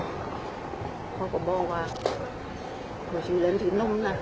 เพราะก็บอกว่าหัวชีวิตเป็นที่หนุ่มนะ